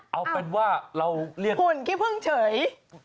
เอาเป็นว่าเราเรียกหุ่นขี้พึ่งเฉย